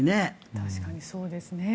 確かにそうですね。